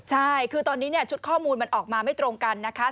ใช่คือตอนนี้ชุดข้อมูลมันออกมาไม่ตรงกันนะคะ